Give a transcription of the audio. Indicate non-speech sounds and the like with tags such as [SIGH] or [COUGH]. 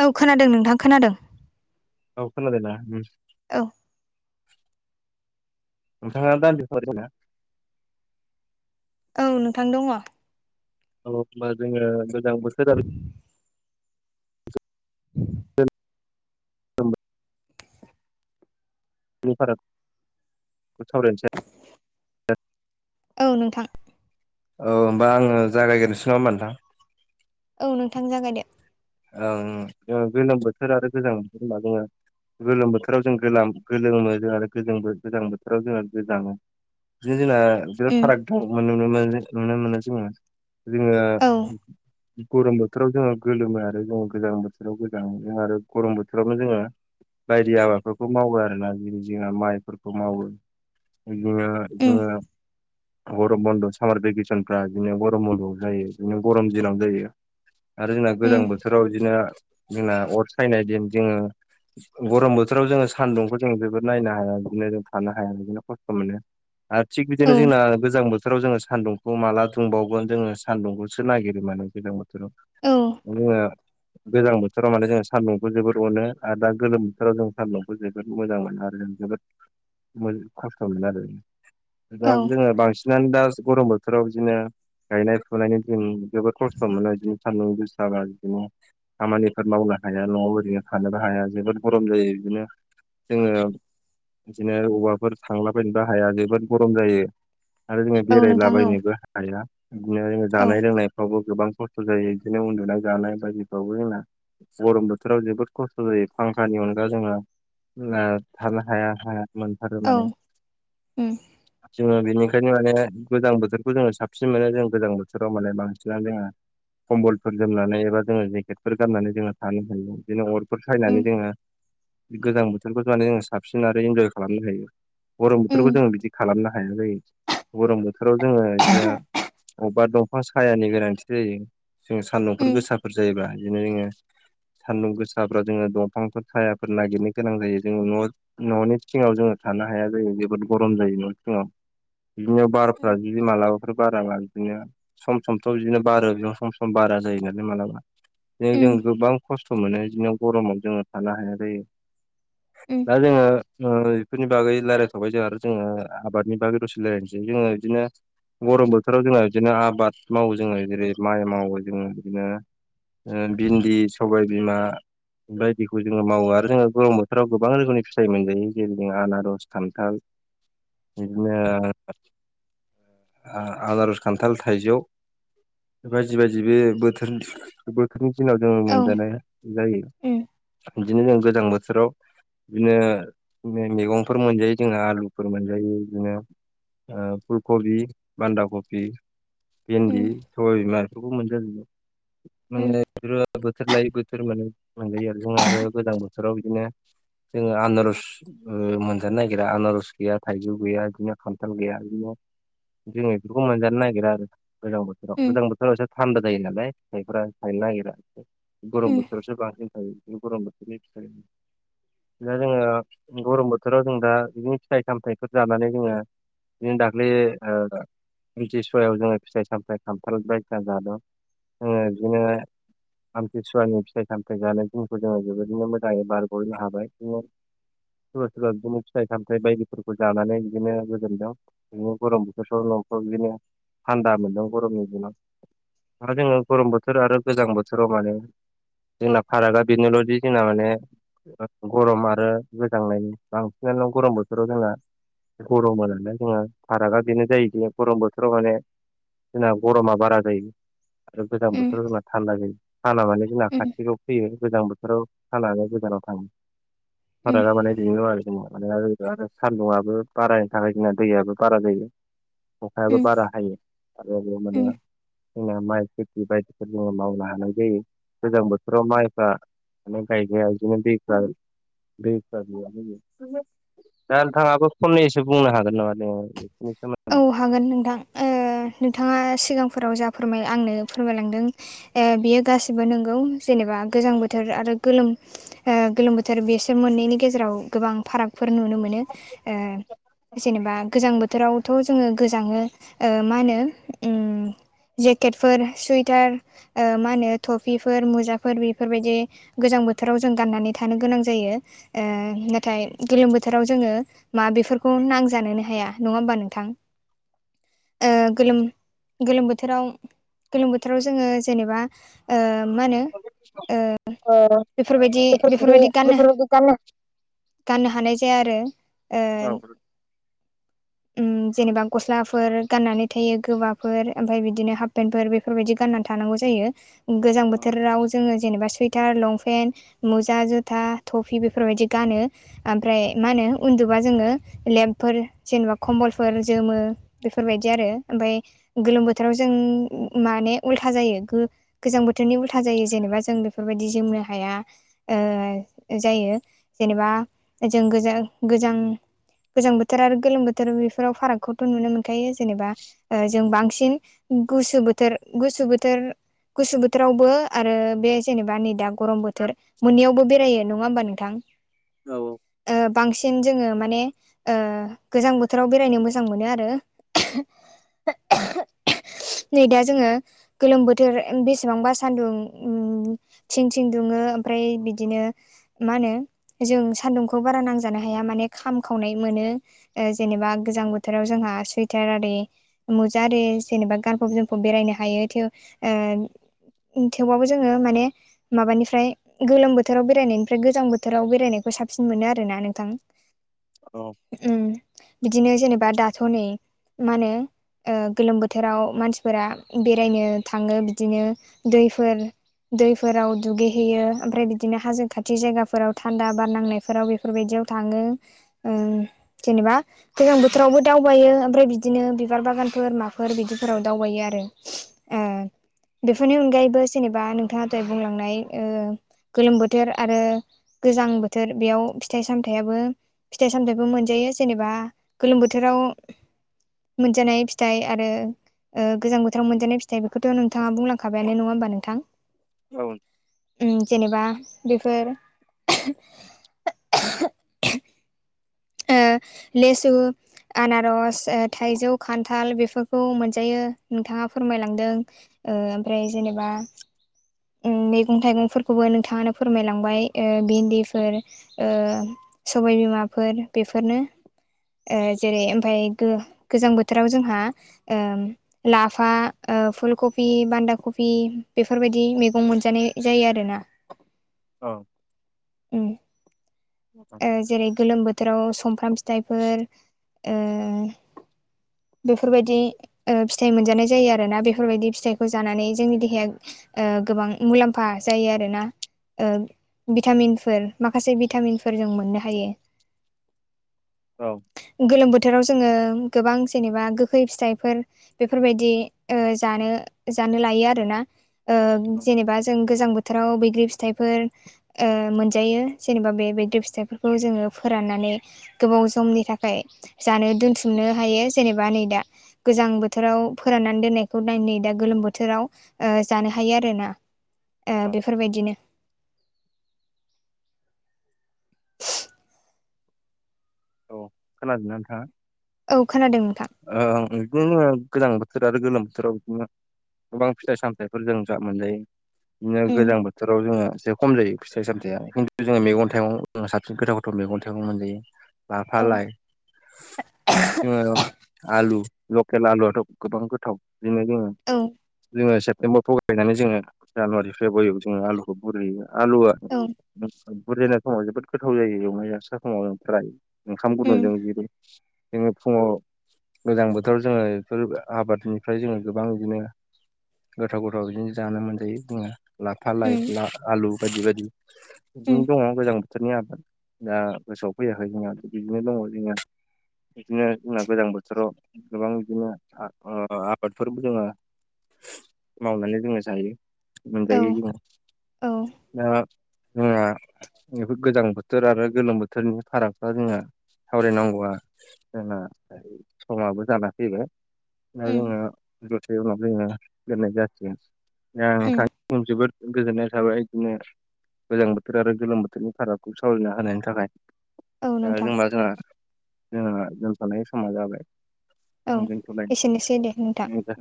औ खोनादों नोंथां खोनादों औ खोनादों ना उम औ नोंथाङा दान्दिफरोना औ नोंथां दङ औ होनबा जोङो गोजां बोथोर आरो [UNINTELLIGIBLE] नि‌ फाराग सावरायनोसै औ नोंथां औ होमबा आङो जागायग्रोसै नामा नोंथां? औ नोंथां जागाय दो ओं जोङो गोलोम बोथोर आरो गोजां बोथोर होनबा जोङो गोलोम बोथोराव जों गोलाम गोलोमो जों आरो गोल गोजां बोथोराव जोंङो गोजाङो बिदिनो जोंना बिराद उम फाराग दं मोन नुनो मोनो जोङो जोङो औ गरम बोथोराव‌ जोङो ‌गोलोमो आ जों गोजां बोथोराव गोजां जों आरो गरम बोथोरावबो जोङो बायदि आबादफोरखौ मावो आरोना बिदिनो जोंना माइफोरखौ मावो बिदिनो उम जोङो गरम बन्द सामार भेकेसन फ्रा बिदिनो गरम बन्द आव जायो बिदिनो गरम दिनावनो जायो आरो जोंना गोजां उम बोथोराव बिदिनो जोंना अर सायनाय दिन जोङो गरम बोथोराव जोङो सान्दुंखौ जों जोबोद नायनो हाया बिदिनो जों थानो हाया बिदिनो खस्थ मोनो आरो थिग औ बिदिनो जोंना गोजां बोथोराव जोङो सान्दुं खौ माला दुंबावगोन जोङो सान्दुंखौसो नागिरो माने गोजां बोथोराव औ जोङो गोजां बोथोराव माने जों सान्दुंखौ जोबोर अनो आरो दा गोलोम बोथोराव जों सान्दुंखौ जोबोद मोजां मोनो आरो जोबोद खस्थ मोनो आरो औ दा जोङो बांसिन [UNINTELLIGIBLE] दा गरम बोथोराव बिदिनो गायनाय फुनायनि [UNINTELLIGIBLE] जोबोद खस्थ' मोनो बिदि सान्दुं गोसाबा। बिदिनो खामानिफोर मावनो हाया न'आव ओरैनो थानोबो हाया जोबोद गरम जायो बिदिनो। जोङो बिदिनो [UNINTELLIGIBLE] हाया जोबोद गरम जायो। आरो जोङो औ नोंथां औ बेरायलाबायनोबो हाया बिदिनो जोङो औ जानाय लोंनाय आवबो गोबां खस्थ' जायो बिदिनो उन्दुनाय जानाय बायदिफ्रावबो जोंना गरम बोथोराव जोबोद खस्थ जायो फांखानि अनगा जोङो ला थानो हाया हाया मोनथारो औ माने उम जोङो बेनिखायनो माने गोजां बोथोरखौ जोङो साबसिन मोनो जों गोजां बोथोराव माने बांसिना जोंहा कम्बलफोर जोमनानै एबा जोङो जेकेटफोर गाननानै जोङो थानो हायो बिदिनो अरफोर उम सायनानै जोङो बे गोजां बोथोरखौ जानानै जों साबसिन आरो इन्जय खालामनो हायो। गरम उम बोथोरखौ जोङो बिदि खालामनो हाया जायो। गरम बोथोराव जोङो बिदिनो अबेबा दंफां सायानि गोनांथि जायो। जो सान्दुंफोर उम गोसाफोर जायोबा बिदिनो जोङो सान्दुं गोसाफ्राव जोङो दंफांफोर सायाफोर नागिरनो गोनां जायो जोङो न' न'नि सिङाव जोङो थानो हाया जायो जोबोद गरम जायो न'नि सिङाव। बिदिनो बारफ्रा बिदि मालाबाफोर बाराबा बिदिनो सम समथ' बिदिनो बारो [UNINTELLIGIBLE] सम सम बारा जायो नालाय मालाबा। दि जों उम गोबां खस्थ' मोनो बिदिनो गरमाव जोङो थानो हाया जायो। उम दा जोङो ओ बेफोरनि बागै रायजलायथ'बाय जोंहा आरो जोङो आबादनि बागै दसे रायलायनोसै जोङो बिदिनो गरम बोथोराव जोङो बिदिनो आबाद मावो जोङो जेरै माइ मावो जोङो बिदिनो ओ भिन्दि, सबाय बिमा बायदिखौ जोङो मावो आरो जोङो गरम बोथोराव गोबां रोखोमनि फिथाइ मोनजायो जेरै जों आनारस, खान्थाल बिदिनो आनारस, खान्थाल, थाइजौ बायदि बायदि बे बोथोर बोथोरनि दिनाव जोङो औ मोनजानाय जायो उम बिदिनो जों गोजां बोथोराव बिदिनो मैगंफोर मोनजायो जोङो आलुफोर मोनजायो बिदिनो ओ फुलकबि, बान्दा कबि, उम भिन्दि, सबाय बिमा बेफोरखौ मोनजा जोबो। उम उम माने [UNINTELLIGIBLE] बोथोर लायै बोथोर माने मोनजायो आरो जों आरो गोजां बोथोराव बिदिनो जोङो आनारस ओ मोनजानो नागिरा आनारस गैया थाइजौ गैया बिदिनो खान्थाल गैया बिदिनो जोङो बेफोरखौ मोनजानो नागिरा आरो। गोजां बोथोराव उम उम गोजां बोथोराव एसे थान्दा जायो नालाय फिथाइफोरा थायनो नागिरा। गरम बोथोरावसो बांसिन थायो गरम बोथोरनि फिथाइ। दा जोङो गरम बोथोराव जों दा बिदिनो फिथाइ सामथाइफोर जानानै जोङो बिदिनो दाख्लि ओ आमथि सुवायाव जोङो फिथाइ सामथाइ खानथाल बायदिसिना जादों। जोङो बिदिनो आमथिसुवानि फिथाइ सामथाइ जानाय दिनखौ जोङो जोबोरैनो मोजाङै बारग'नो हाबाय जोङो सोरबा सोरबा बिदिनो फिथाइ सामथाइ बायदिफोरखौ जानानै बिदिनो गोजोनदों। बिदिनो गरम बोथोरफ्राव नफ्राव बिदिनो थान्दा मोनदों गरमनि दिनाव आरो जोङो गरम बोथोर आरो गोजां बोथोराव माने जोंना फारागा बेनोल'दि जोंना माने गरम आरो गोजांनाय बांसिनानो गरम बोथोराव जोंना [UNINTELLIGIBLE] जोंहा फारागा बेनो जायोदि गरम बोथोराव माने जोंना गरमा बारा जायो। आरो गोजां बोथोराव जोंना थान्दा जायो साना माने जोंना खाथियाव फैयो। गोजां बोथोराव सानानो गोजानाव थाङो उम फारागा माने [UNINTELLIGIBLE] [UNINTELLIGIBLE] आरो सान्दुंआबो बारायनो थाखाय जोंना दैयाबो बारा जायो। अखायाबो उम बारा हायो आरो उम माने जोंना माइ खेथि बायदिफोर जोङो मावनो हानाय जायो गोजां बोथोराव माइफ्रा [UNINTELLIGIBLE] [INAUDIBLE] दा नोंथाङाबो समनैसो बुंनो हागोन नामा द बेनि औ सोमोन्दै? हागोन नोंथां ओ नोंथाङा सिगांफोराव जा फोरमाय आंनो फोरमायलांदों ओ बियो गासिबो नंगौ जेनेबा गोजां बोथोर आरो गोलोम ओ गोलोम बोथोर बेसोर मोननैनि गेजेराव गोबां फारागफोर नुनो मोनो ओ जेनेबा गोजां बोथोरावथ' जोङो गोजाङो ओ मा होनो उम जेकेटफोर सुइटार मा होनो टफिफोर मुजाफोर बेफोरबायदि गोजां बोथोराव जों गाननानै थानो गोनां जायो । ओ नाथाय गोलोम बोथोराव जोङो मा बेफोरखौ नांजानोनो हाया नङा होमबा नों थां ओ गोलोम गोलोम बोथोराव गोलोम बोथोराव जोङो जेनेबा ओ माहोनो ओ बेफोरबायदि ओ बेफोरबायदि गानो बेफोरबायदि गाननो गाननो हानाय जाया आरो ओ औ उम जेनेबा गस्लाफोर गाननानै थायो गोबाफोर ओमफ्राय बिदिनो हाफपेन्टफोर बेफो फोरबायाददि गानना थानांगौ जायो गोजां बोथोराव जोङो जेनेबा सुइ टार लंपेन्ट मुजा जुथा थटफि बेफोरबायदि गानो । ओमफ्राय मा होनो उन्दुबा जोङो लेम्पफोर जेनेबा खम्बलफोर जोमो बेफोरबायदि आरो ओमफफ्राय गोलोम बोथोराव जों माने उल्था जायो गो गोजां बोथोरनि उल्था जायो जेनेबा जों बेफोरबायदि जोमनो हाया । ओ जायो जेनेबा जों गोजा-गोजां गोजां बोथोर आरो गोलोम बोथोर बेफोराव फारागखौथ' नुनो मोनखायो जेनेबा जों बांसिन गुसु बोथोर गुसु बोथोर गुसु बोथोरावबो आरो बे जेनेबा नै दा गरम बोथोर मोननैयावबो बेरायो नङा होमबा नोंथां? औ । ओ बांसिन जोङो माने ओ गोजां बोथोराव बेरायनो मोजां मोनो आरो [UNINTELLIGIBLE] नै दा जोङो गोलोम बोथोर बेसेबांबा सान्दुं उम थिं थिं दुङो ओमफ्राय बिदिनो मा होनो जों सान्दुंखौ बारा नांजानो हाया माने खाम खावनाय मोनो । जेनेबा गोजां बोथोराव जोंहा सुइटार आरि मुजाारि जेनेबा गानफब जोमफब बेरायनो हायो थेव ओ थेवबाबो जोङो माने माबानिफ्राय गोलोम बोथोराव बेरायनायनिफ्राय गोजां बोथोराव बेरायनायखौ साबसिन मोनो आर ना नोंथां । औ । बिदिनो जेनेबा दाथ' नै मा होनो गोलोम बोथोराव मानसिफोरा बेरायनो थाङो बिदिनो दैफोर । दैफोराव दुगैहैयो ओमफ्राय बिदिनो हाजो खाथि जायगाफोराव थान्दा बार नांनायफोराव बे फोरबायदियाव थाङो । जेनेबा दैजां बोथोरावबो दावबायो ओमफ्राय बिदिनो बिबार बागानफोर माफोर बिदिफोराव दावबायो आरो । [INAUDIBLE] बेफोरनि अनगायैबो जेनेबा नों थाङा दहाय बुंलांनाय गोलोम बोथोर आरो गोजां बोथोर बेयाव फिथाइ सामथायाइाबो फिथाइ सामथायाइबो मोनजायो जेनेबा गोलोम बोथोराव मोनजानाय फिथाइ आरो गोजां बोथोराव मोनजानाय फि थाय बेखौथ' नोंथाङा बुंलांखाबायानो नङा होमबा नोंथां? औ । उम जेनेबा बेफोर [INAUDIBLE] ओ लेसु आनारस थाइजौ खान्थाल बेफोरखौ मोनजायो नोंथाङा फोरमायलांदों ओमफ्राय जेनेबा मैगं थाइगंफोरखौबो नोंथाङा फोरमायलांबाय भिन्दिफोर सबायबिमाफोर बेफोरनो ओ जेरै ओमफाय गो-गोजां बोथोराव जोंहा लाफा फुलकबि बान्दा कफि बेफोरबायदि मैगं मोनजानाय जायो आरोना। [INAUDIBLE] औ । उम ओ जेरै गोलोम बोथोराव सफ्राम फि फिथाइफोर ओ बेफोरबायदि फिथाइ मोनजानाय जायो आरो ना बेफोरबायदि फिथाइखौ जानानै जोंनि देहाया गोबां मुलाम्फा जायो आरोना भिटामिनफोर माखासे भिटामिनफोर जों मोननो हायो औ गोलोम बोथोराव जोङो गोबां जेनेबा गोखै फिथाइफोर बेफोरबायदि जानो जानो लायो आरोना जेनेबा जों गोजां बोथोराव बैग्रि फिथाइफोर मोनजायो जेनेबा बे बैग्रि फिथाइफोरखौ जोङो फोराननानै गोबाव समनि थाखाय जानो दोनथुमनो हायो जेनेबा नै दा गोजां बोथोराव फोराननानै दोननायखौ नाय नै दा गोलोम बोथोराव जानो हायो आरोना औ बेफोरबायदिनो औ खोनाजोबनानै थाङा औ खोनादोंमोनखाां बिदिनो गोजां बोथोर आरो गोलोम बोथोराव बिदिनो गोबां फिथाइ सामथायफोर जों जा मोनजायो बिदिनो उम गोजां बोथोराव जोङो ज खम जायो फिथाइ सामथायाइया खिन्थु जोङ मगं थाइगं साबसिन गोथाव गोथाव मैगं थाइगं मोनजायो लाफा औ लाय जों आलु लकेल आलुआथ' गोबां गोथाव बिदिनो जोङो औ जोङो सेप्तेम्बराव थगायैनानै जोङो जानुवारि फेब्रुवारियाव जोङो आलु गुरै आलुवा औ बुरजायनाय समाव जोबोद गोथाव जायो एवनाय जास्रा समाव जों फ्राय ओंखाम उम गुन्दुंजों जेरै जोङो फुङाव गोजां बोथोराव जोङो बेफोर आबादनिफ्राय जोङो गोबां बिदिनो गोथाव गोथाव बिदिनो जानो मोनजायो बुङो लाफा लाइ उम आलु बायदि बायदि बिदिनो उम दङ गोजां बोथोरनि आबाद दा बसफैयाखै जङ बिदिनो दङ बिदिङ बिदिनो जोंना गोजां बोथोराव गोबां बिदिनो आबादफोरबो दोङो मावनानै जोङो जायो औ मोनजायो जों औ दा जोंना बेफोर गोजां बोथोर आरो गोलोम बोथोरनि फाराग दा जोंङो सावरायनांगौआ जोंना समाबो जाना फैबाय दा उम जोङो जथाय उनाव जोङो लोननाय जायासै आं उम थां सम जोबोद गोजोननाय थाबाय बिदिनो गोजां बोथोर आरो गोलोम बोथोरनि फारागखौ सावरायना होनायनि थाखाय औ द नोंथां जेनबा जोंहा जोंहा लोमस समा जाबाय औ एसेनोसै दे नोंथां। थायसैज